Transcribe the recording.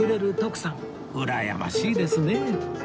うらやましいですね